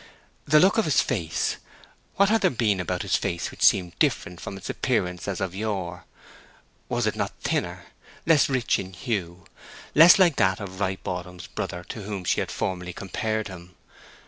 The look of his face—what had there been about his face which seemed different from its appearance as of yore? Was it not thinner, less rich in hue, less like that of ripe autumn's brother to whom she had formerly compared him?